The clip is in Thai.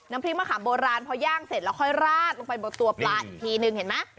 พริกมะขามโบราณพย่างเสร็จแล้วค่อยราดลงไปบนตัวปลาอีกทีนึงเห็นไหม